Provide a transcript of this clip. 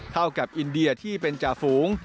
เท่ากับอินเดียที่เป็นจ่าฝูง